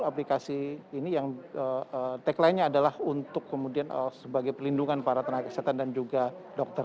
aplikasi ini yang tagline nya adalah untuk kemudian sebagai perlindungan para tenaga kesehatan dan juga dokter